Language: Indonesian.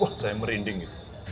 wah saya merinding gitu